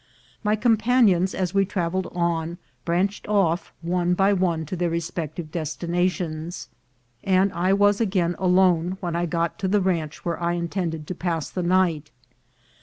My com panions, as we traveled on, branched off one by one to their respective destinations, and I was again alone when I got to the ranch where I intended to pass the night.